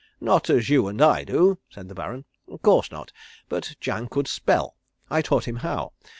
"Not as you and I do," said the Baron. "Of course not, but Jang could spell. I taught him how.